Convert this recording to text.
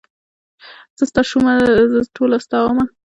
زه ستا شومه زه ټوله ستا ومه.